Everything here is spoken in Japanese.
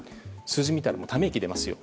数字を見たらため息が出ますよ。